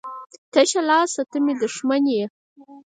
تشه لاسه ته مي دښمن يي.